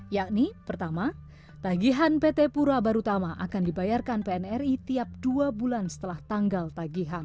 yakni pertama tagihan pt pura barutama akan dibayarkan pnri tiap dua bulan setelah tanggal tagihan